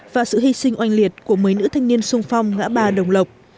và sự hy sinh oanh liệt của mấy nữ thanh niên sung phong ngã ba đồng lộc